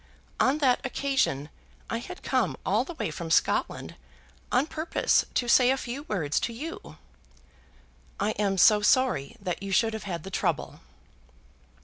On that occasion I had come all the way from Scotland on purpose to say a few words to you." "I am so sorry that you should have had the trouble."